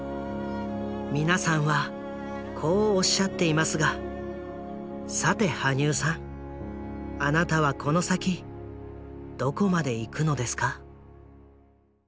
皆さんはこうおっしゃっていますがさて羽生さんあなたはこの先どこまで行くのですか？